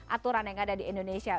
aturan yang ada di indonesia